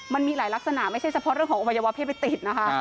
มันมีหลายลักษณะไม่ใช่เฉพาะเรื่องของอวัยวะเพศไปติดนะคะ